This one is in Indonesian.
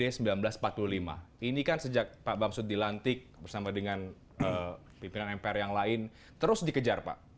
ini kan sejak pak bamsud dilantik bersama dengan pimpinan mpr yang lain terus dikejar pak